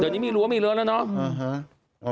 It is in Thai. เดี๋ยวนี้มีรั้วมีรั้วแล้วเนาะ